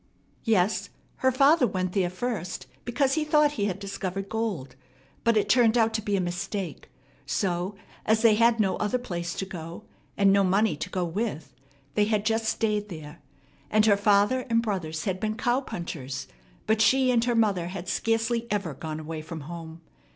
Yes, her father went there first because he thought he had discovered gold, but it turned out to be a mistake; so, as they had no other place to go to, and no money to go with, they had just stayed there; and her father and brothers had been cow punchers, but she and her mother had scarcely ever gone away from home.